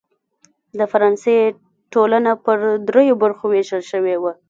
د فرانسې ټولنه پر دریوو برخو وېشل شوې وه.